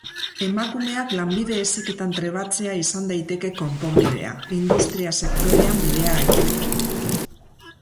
Emakumeak lanbide heziketan trebatzea izan daiteke konponbidea, industria sektorean bidea egiteko.